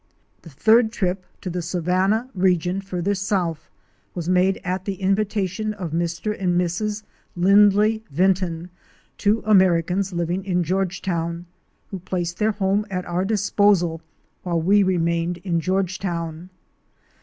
The third trip to the savanna region further south was made at the invitation of Mr. and Mrs. Lindley Vinton, two Americans living in Georgetown, who placed their home at our disposal while we remained in Georgetown.